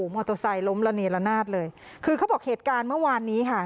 มอเตอร์ไซค์ล้มระเนละนาดเลยคือเขาบอกเหตุการณ์เมื่อวานนี้ค่ะ